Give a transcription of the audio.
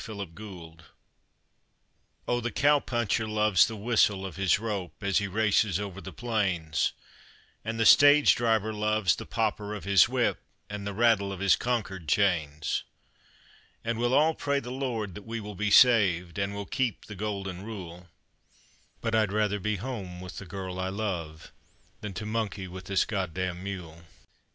TAIL PIECE Oh, the cow puncher loves the whistle of his rope, As he races over the plains; And the stage driver loves the popper of his whip, And the rattle of his concord chains; And we'll all pray the Lord that we will be saved, And we'll keep the golden rule; But I'd rather be home with the girl I love Than to monkey with this goddamn'd mule.